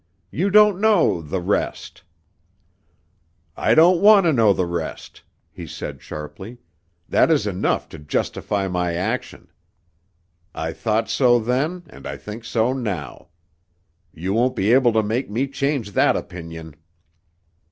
You don't know the rest." "I don't want to know the rest," he said sharply; "that is enough to justify my action. I thought so then and I think so now. You won't be able to make me change that opinion."